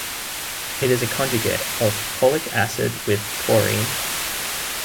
It is a conjugate of cholic acid with taurine.